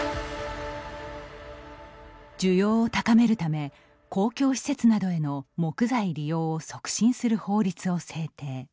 需要を高めるため公共施設などへの木材利用を促進する法律を制定。